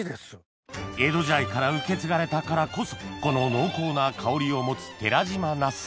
江戸時代から受け継がれたからこそこの濃厚な香りを持つ寺島ナス